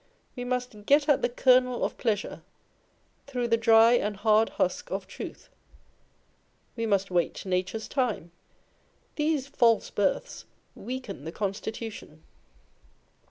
We must get at the kernel of pleasure through the dry and hard husk of truth. We must wait nature's time. These false births weaken the constitution.